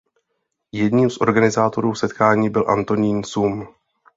Jedním z organizátorů setkání byl Antonín Sum.